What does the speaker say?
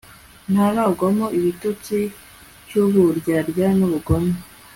ntarangwamo igitotsi cy'uburyarya n'ubugome